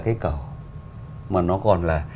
cái cầu mà nó còn là